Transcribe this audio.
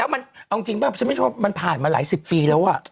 มันเอาจริงป่ะฉันไม่ชอบมันผ่านมาหลายสิบปีแล้ว